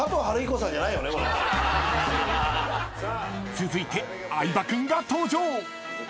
［続いて相葉君が登場］